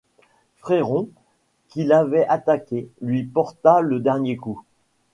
Fréron, qu’il avait attaqué, lui porta le dernier coup.